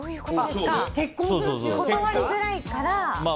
断りづらいから。